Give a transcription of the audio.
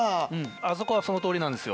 あそこはそのとおりです